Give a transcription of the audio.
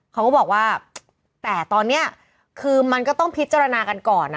เขาก็บอกว่าแต่ตอนนี้คือมันก็ต้องพิจารณากันก่อน